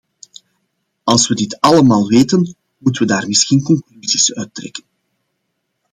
Als we dit allemaal weten, moeten we daar misschien conclusies uit trekken.